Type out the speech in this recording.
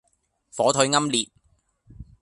火腿奄列